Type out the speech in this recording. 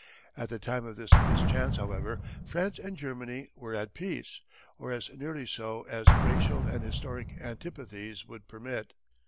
At the time of this mischance, however, France and Germany were at peace or as nearly so as racial and historic antipathies would permit.